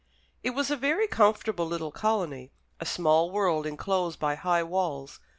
It was a very comfortable little colony, a small world enclosed by high walls.